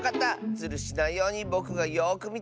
ズルしないようにぼくがよくみてるからね。